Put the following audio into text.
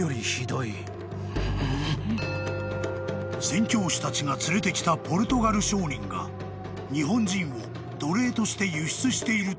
［宣教師たちが連れてきたポルトガル商人が日本人を奴隷として輸出しているという］